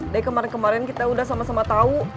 dari kemarin kemarin kita udah sama sama tahu